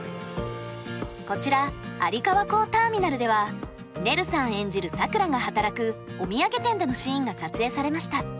こちら有川港ターミナルではねるさん演じるさくらが働くお土産店でのシーンが撮影されました。